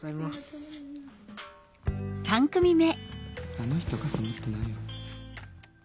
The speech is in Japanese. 「あの人傘持ってないよ」。